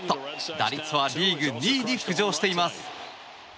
打率はリーグ２位に浮上しています。